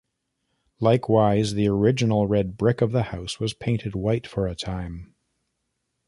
Likewise, the original red brick of the house was painted white for a time.